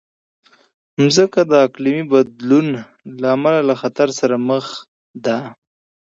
مځکه د اقلیم بدلون له امله له خطر سره مخ ده.